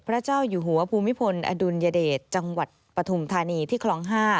เจ้าอยู่หัวภูมิพลอดุลยเดชจังหวัดปฐุมธานีที่คลอง๕